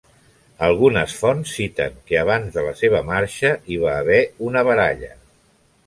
Algunes fonts citen que, abans de la seva marxa, hi va haver una baralla.